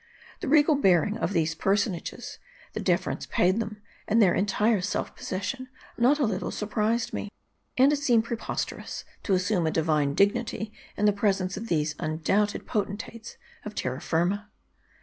The regal bearing of these personages, the deference paid them, and their entire self possession, not a little surprised me. And it seemed preposterous, to assume a divine dig nity in the presence of these undoubted potentates of terra ftrma.